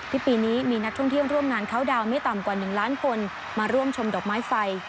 ปีนี้มีนักท่องเที่ยวร่วมงานเข้าดาวน์ไม่ต่ำกว่า๑ล้านคนมาร่วมชมดอกไม้ไฟ